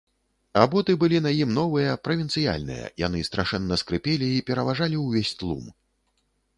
А боты былі на ім новыя, правінцыяльныя, яны страшэнна скрыпелі і пераважалі ўвесь тлум.